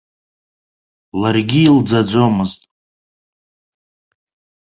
Ларгьы илӡаӡомызт.